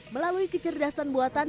melalui kecerdasan buatan